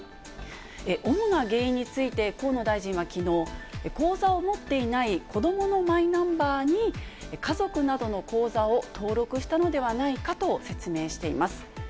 主な原因について、河野大臣はきのう、口座を持っていない子どものマイナンバーに、家族などの口座を登録したのではないかと説明しています。